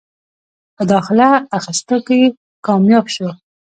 پۀ داخله اخستو کښې کامياب شو ۔